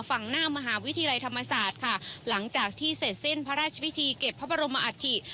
ฝั่งหน้ามหาวิทยาลัยธรรมศาสตร์ค่ะหลังจากที่เสร็จสิ้นพระราชพิธีเก็บพระบรมอัฐิ